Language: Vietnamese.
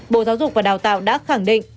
bộ giáo dục và đào tạo đã khẳng định